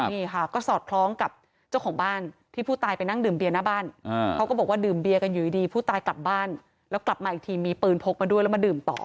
นี่ค่ะก็สอดคล้องกับเจ้าของบ้านที่ผู้ตายไปนั่งดื่มเบียร์หน้าบ้านเขาก็บอกว่าดื่มเบียกันอยู่ดีผู้ตายกลับบ้านแล้วกลับมาอีกทีมีปืนพกมาด้วยแล้วมาดื่มต่อ